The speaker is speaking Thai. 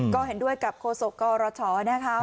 ก็เห็นด้วยกับโฆษกรชนะคะ